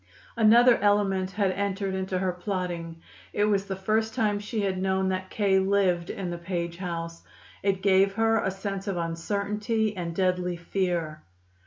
Another element had entered into her plotting. It was the first time she had known that K. lived in the Page house. It gave her a sense of uncertainty and deadly fear.